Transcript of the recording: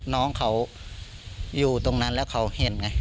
น้องเขาอยู่ตรงนั้นแล้วเขาเห็นไง